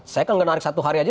saya kan ngenarik satu hari aja